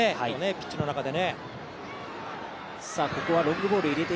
ピッチの中で。